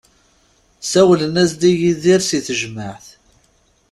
Sawlen-as-d i Yidir si tejmaɛt.